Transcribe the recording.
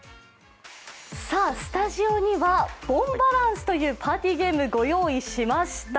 スタジオには「ボンバランス」というパーティーゲーム御用意しました。